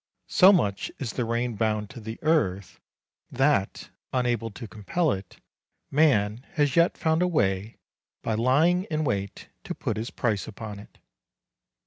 So much is the rain bound to the earth that, unable to compel it, man has yet found a way, by lying in wait, to put his price upon it.